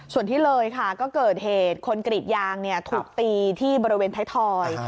ส่วนที่เลยค่ะก็เกิดเหตุคนกรีดยางถูกตีที่บริเวณไทยทอย